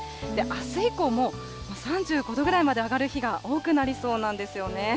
あす以降も３５度ぐらいまで上がる日が多くなりそうなんですよね。